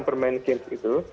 dia bermain game gitu